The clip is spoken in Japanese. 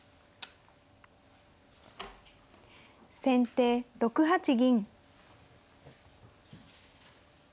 先手６八銀。